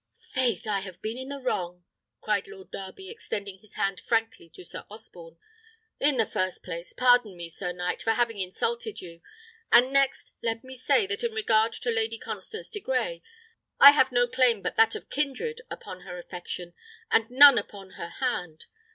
"Faith, I have been in the wrong!" cried Lord Darby, extending his hand frankly to Sir Osborne. "In the first place, pardon me, sir knight, for having insulted you; and next, let me say, that in regard to Lady Constance de Grey, I have no claim but that of kindred upon her affection, and none upon her hand.